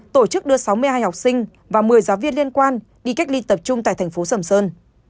tổ chức đưa sáu mươi hai học sinh và một mươi giáo viên liên quan đi cách ly tập trung tại thành phố sầm sơn